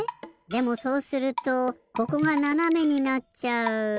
でもそうするとここがななめになっちゃう。